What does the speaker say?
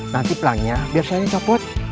nanti pelangnya biar saya yang caput